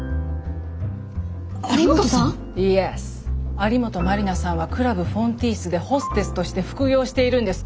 有本マリナさんはクラブフォンティースでホステスとして副業しているんです。